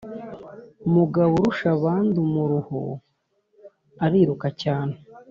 mugaburushabandumuruho ariruka cyane